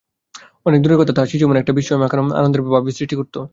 অনেক দূরের কথায় তাহার শিশুমনে একটা বিস্ময়মাখানো আনন্দের ভাবের সৃষ্টি করিত।